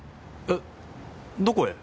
えっどこへ？